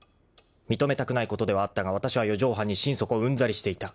［認めたくないことではあったがわたしは四畳半に心底うんざりしていた］